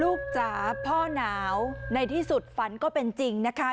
จ๋าพ่อหนาวในที่สุดฝันก็เป็นจริงนะคะ